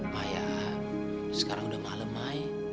supaya sekarang udah malem mai